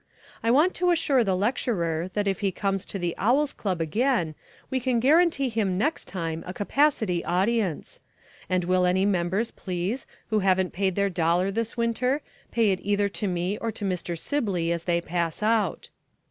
I want to assure the lecturer that if he comes to the Owl's Club again we can guarantee him next time a capacity audience. And will any members, please, who haven't paid their dollar this winter, pay it either to me or to Mr. Sibley as they pass out."